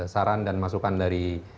saran dan masukan dari